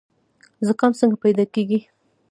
زکام څنګه پیدا کیږي؟